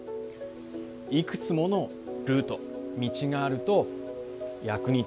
いくつものルート道があると役に立つんです。